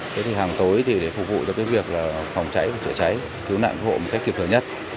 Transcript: thế thì hàng tối thì để phục vụ cho cái việc phòng cháy và chữa cháy cứu nạn cứu hộ một cách kịp thời nhất